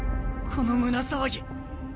この胸騒ぎ。